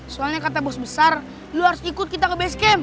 soalnya kata bos besar lo harus ikut kita ke base camp